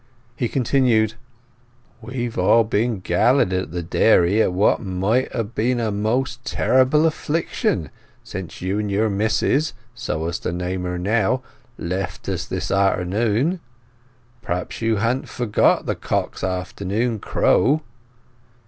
He continued— "We've all been gallied at the dairy at what might ha' been a most terrible affliction since you and your Mis'ess—so to name her now—left us this a'ternoon. Perhaps you ha'nt forgot the cock's afternoon crow?"